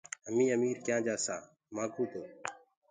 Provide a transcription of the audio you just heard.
همينٚ اميٚر ڪِيآنٚ جآسآنٚ همآئونٚ تو